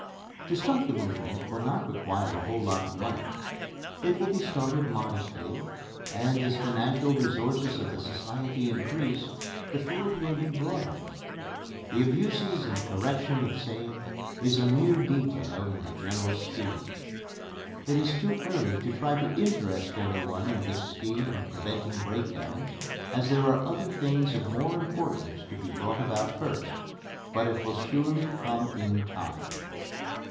To start the movement will not require a whole lot of money. It will be started modestly and as financial resources of the society increase, the field will be broadened." ... "The abuses and correction of same is a mere detail in the general scheme." ... "It is too early to try to interest anyone in this scheme of preventing breakdowns, as there are other things of more importance to be brought about first but it will surely come in time."